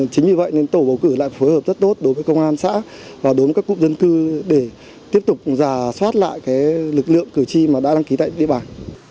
chính vì vậy nên tổ bầu cử lại phối hợp rất tốt đối với công an xã và đối với các quốc dân cư để tiếp tục giả soát lại lực lượng cử tri mà đã đăng ký tại địa bàn